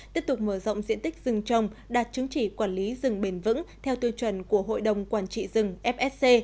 tiếp tục mở rộng diện tích rừng trồng đạt chứng chỉ quản lý rừng bền vững theo tiêu chuẩn của hội đồng quản trị rừng fsc